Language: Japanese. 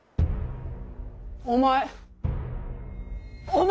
お前！